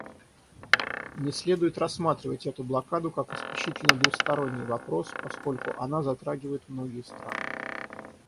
Не следует рассматривать эту блокаду как исключительно двусторонний вопрос, поскольку она затрагивает многие страны.